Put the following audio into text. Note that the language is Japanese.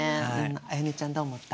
絢音ちゃんどう思った？